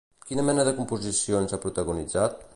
Quina mena de composicions ha protagonitzat?